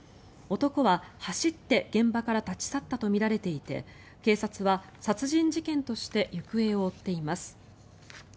男は走って現場から立ち去ったとみられていて警察は殺人事件として行方を追っています。